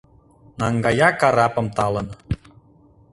Наҥгая карапым талын: